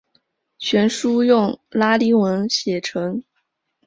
全书用拉丁文写成。